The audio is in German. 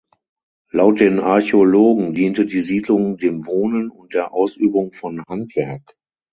Laut den Archäologen diente die Siedlung dem Wohnen und der Ausübung von Handwerk.